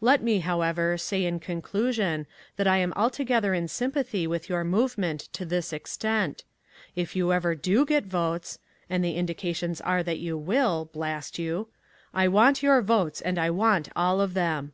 Let me, however, say in conclusion that I am altogether in sympathy with your movement to this extent. If you ever DO get votes, and the indications are that you will (blast you), I want your votes, and I want all of them.